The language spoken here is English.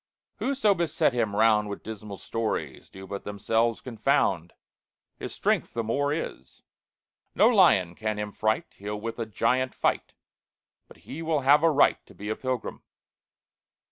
"Whoso beset him round With dismal stories, Do but themselves confound His strength the more is. No lion can him fright; He'll with a giant fight, But he will have a right To be a pilgrim.